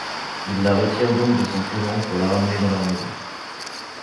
Ils la retirent donc de son couvent pour la ramener dans leur maison.